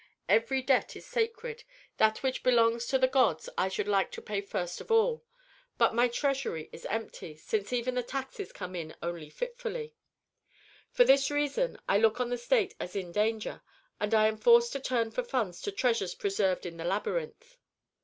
Every debt is sacred, that which belongs to the gods I should like to pay first of all. But my treasury is empty, since even the taxes come in only fitfully. "For this reason I look on the state as in danger, and I am forced to turn for funds to treasures preserved in the labyrinth."